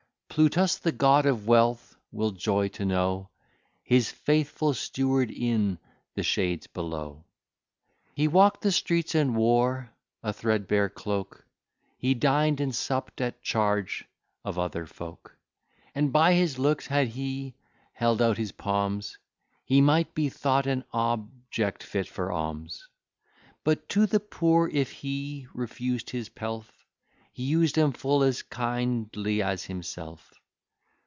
Plutus, the god of wealth, will joy to know His faithful steward in the shades below. He walk'd the streets, and wore a threadbare cloak; He din'd and supp'd at charge of other folk: And by his looks, had he held out his palms, He might be thought an object fit for alms. So, to the poor if he refus'd his pelf, He us'd 'em full as kindly as himself.